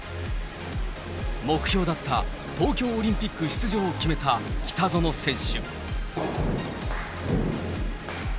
目標だった東京オリンピック出場を決めた北園選手。